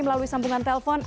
melalui sambungan telepon